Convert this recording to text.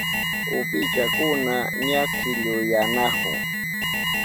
Uwillakuna ña killuyanahun.